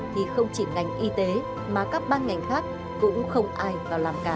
thì không chỉ ngành y tế mà các ban ngành khác cũng không ai vào làm cả